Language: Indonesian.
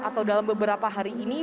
atau dalam beberapa hari ini